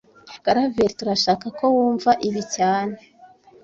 Karaveri, turashaka ko wumva ibi cyane